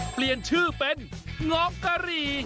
เปลี่ยนชื่อเป็นเงาะกะหรี่